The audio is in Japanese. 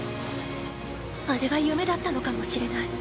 あれは夢だったのかもしれない